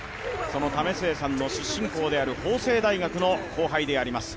その為末さんの出身校である法政大学の後輩であります